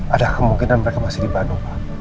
ada kemungkinan mereka masih di bandung